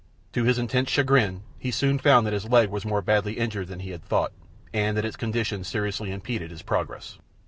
To his intense chagrin he soon found that his leg was more badly injured than he had thought, and that its condition seriously impeded his progress.